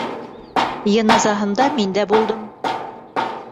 Йыназаһында мин дә булдым.